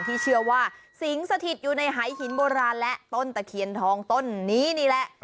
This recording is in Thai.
ที่เชื่อว่าสิงสถิตอยู่ในหายหินโบราณและต้นตะเคียนทองต้นนี้นี่แหละ